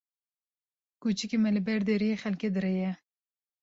Kuçikê me li ber deriyê xelkê direye.